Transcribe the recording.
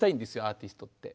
アーティストって。